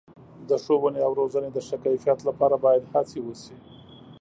د ښوونې او روزنې د ښه کیفیت لپاره باید هڅې وشي.